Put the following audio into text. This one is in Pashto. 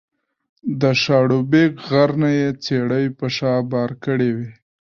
د شاړوبېک غر نه یې څېړۍ په شا بار کړې وې